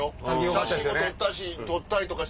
写真も撮ったし。